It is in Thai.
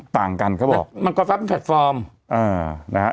ต่างกันเขาบอกมันก็แฟเป็นแพลตฟอร์มอ่านะฮะ